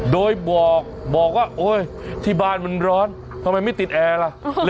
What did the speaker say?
โดยบอกว่าโอ๊ยที่บ้านมันร้อนทำไมไม่ติดแอร์ล่ะ